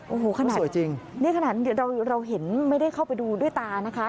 โอ้โหขนาดสวยจริงนี่ขนาดเราเห็นไม่ได้เข้าไปดูด้วยตานะคะ